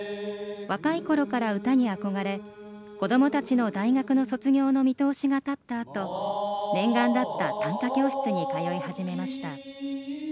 若いころから歌に憧れ子どもたちの大学の卒業の見通しが立ったあと念願だった短歌教室に通い始めました。